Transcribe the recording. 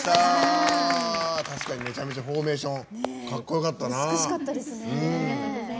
確かにめちゃめちゃフォーメーション美しかったですね。